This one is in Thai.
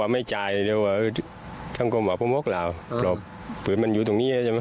ไม่เจอดีเพราะมันอยู่ตรงนี้